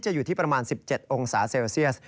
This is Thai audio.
อยู่ที่ประมาณ๑๗องศาเซลเซียส